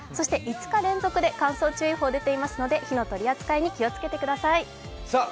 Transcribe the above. ５日連続で乾燥注意報が出ていますので火の取り扱いに気をつけてください。